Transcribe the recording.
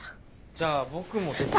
じゃあ僕も手伝い。